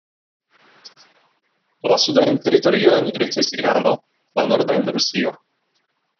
La sudajn teritoriojn ricevis Irano, la nordajn Rusio.